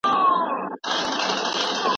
دا څېړنه به په راتلونکي کي ډېر ګټور ثابت سي.